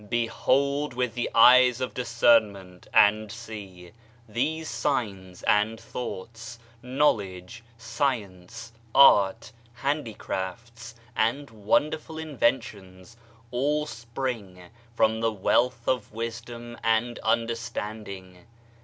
Behold with the eyes of discernment and see: these signs and thoughts, knowledge, science, art, handicrafts and wonderful inventions, all spring from the wealth of wisdom and understanding.